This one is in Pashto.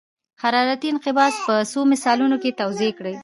حرارتي انقباض په څو مثالونو کې توضیح کړئ.